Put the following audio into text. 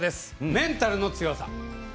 メンタルの強さ。